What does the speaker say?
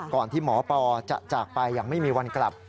ก่อนที่หมอปอจะจากไปอย่างไม่มีวันกลับ